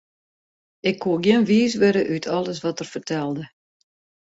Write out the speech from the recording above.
Ik koe gjin wiis wurde út alles wat er fertelde.